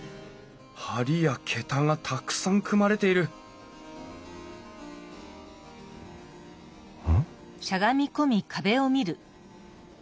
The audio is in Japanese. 梁や桁がたくさん組まれているうん？